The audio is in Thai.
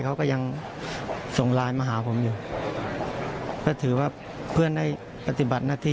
เขาก็ยังส่งไลน์มาหาผมอยู่ก็ถือว่าเพื่อนได้ปฏิบัติหน้าที่